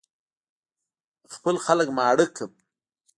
خپل خلک ماړه کړم.